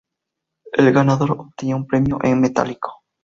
El ganador obtenía un premio en metálico.